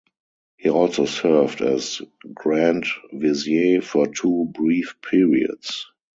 He also served as Grand Vizier for two brief periods.